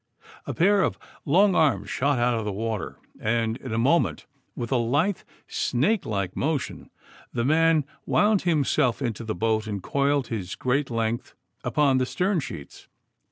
A pair of long arms shot out of the water, and in a moment, with a lithe, snake like motion, the man wound himself into the boat and coiled his great length upon the stern sheets.